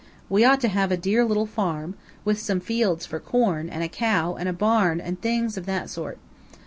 We ought to have a dear little farm, with some fields for corn, and a cow, and a barn and things of that sort.